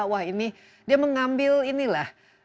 wah ini dia mengambil inilah